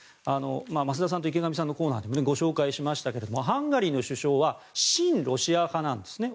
増田さんと池上さんのコーナーでも紹介しましたがハンガリーの首相は親ロシア派なんですね。